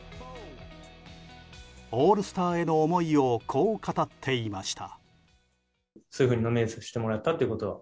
オールスターへの思いをこう語っていました。